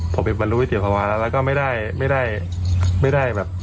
ผมเป็นบรรลุวิทยศภาวะแล้วก็ไม่ได้